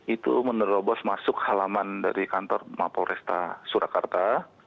itu menerobos masuk halaman dari kantor mapol resta surakarta